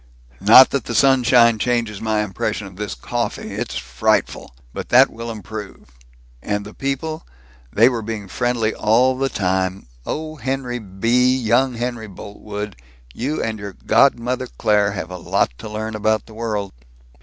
Not that the sunshine changes my impression of this coffee. It's frightful! But that will improve. And the people they were being friendly, all the time. Oh, Henry B., young Henry Boltwood, you and your godmother Claire have a lot to learn about the world!"